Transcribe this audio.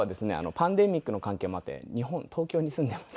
パンデミックの関係もあって日本東京に住んでいます。